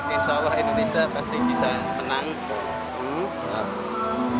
insya allah indonesia pasti bisa menang